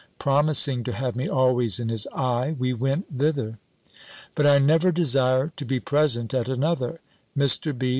promising to have me always in his eye, we went thither. But I never desire to be present at another. Mr. B.